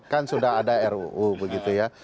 kan sudah ada ruu begitu ya